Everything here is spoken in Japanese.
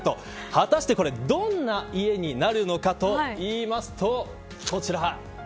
果たしてどんな家になるのかといいますとこちら。